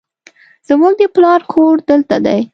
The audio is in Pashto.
زموږ د پلار کور دلته دی